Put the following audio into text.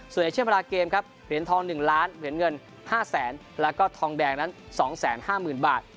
ส่วนในเช่นเวลาเกมส์ครับเหรียญทองหนึ่งล้านเหรียญเงินห้าแสนแล้วก็ทองแดงนั้นสองแสนห้าหมื่นบาท